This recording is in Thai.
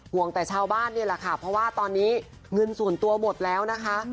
แต่ชาวบ้านนี่แหละค่ะเพราะว่าตอนนี้เงินส่วนตัวหมดแล้วนะคะ